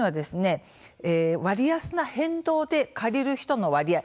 割安な変動で借りる人の割合